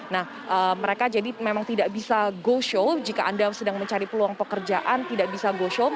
nah mereka jadi memang tidak bisa go show jika anda sedang mencari peluang pekerjaan tidak bisa go show